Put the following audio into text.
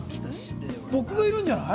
僕がいるんじゃない？